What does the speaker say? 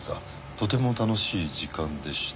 「とても楽しい時間でした」